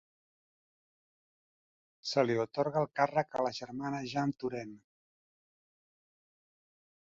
Se li atorga el càrrec a la germana Jeanne Turenne.